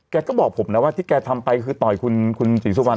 แกก็บอกผมนะว่าที่แกทำไปคือต่อยคุณศรีสุวรร